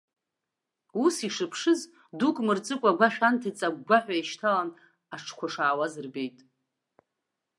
Ус ишыԥшыз, дук мырҵыкәа агәашә анҭыҵ агәгәаҳәа еишьҭалан аҽқәа шаауаз рбеит.